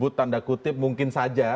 tanda kutip mungkin saja